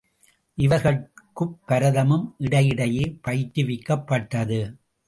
இவர்கட்குப் பரதமும் இடையிடையே பயிற்றுவிக்கப்பட்டது.